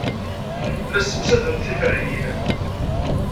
La ssemsadent tiferyin.